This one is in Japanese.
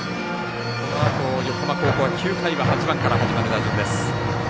このあと横浜高校は９回は８番から始まる打順です。